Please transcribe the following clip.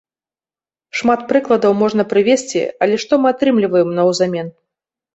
Шмат прыкладаў можна прывесці, але што мы атрымліваем наўзамен?